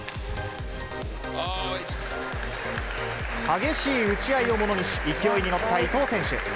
激しい打ち合いをものにし、勢いに乗った伊藤選手。